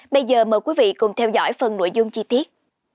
bây giờ mời quý vị cùng theo dõi phần nội dung chi tiết